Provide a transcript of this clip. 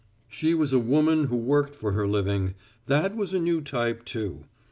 She was a woman who worked for her living; that was a new type, too.